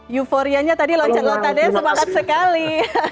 euforianya tadi loncat loncatnya semangat sekali